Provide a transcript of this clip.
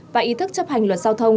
và ý thức chấp hành luật giao thông